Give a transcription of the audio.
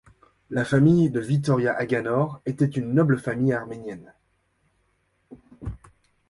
La famille de Vittoria Aganoor était une noble famille arménienne.